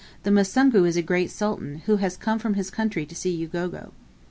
the Musungu is a great sultan, who has come from his country to see Ugogo."